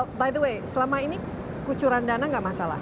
by the way selama ini kucuran dana nggak masalah